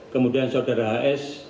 kemudian saudara hs